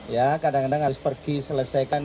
ya kadang kadang harus pergi selesaikan